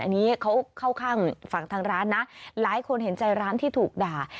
อันนี้เขาเข้าข้างฝั่งทางร้านนะหลายคนเห็นใจร้านที่ถูกด่า